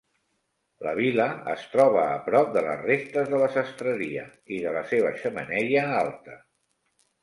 La vila es troba a prop de les restes de la sastreria i de la seva xemeneia alta.